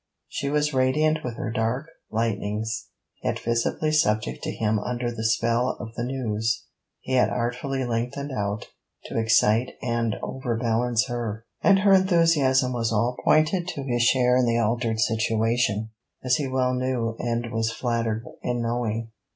She was radiant with her dark lightnings, yet visibly subject to him under the spell of the news he had artfully lengthened out to excite and overbalance her: and her enthusiasm was all pointed to his share in the altered situation, as he well knew and was flattered in knowing.